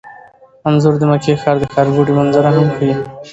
انځور د مکې ښار د ښارګوټي منظره هم ښيي.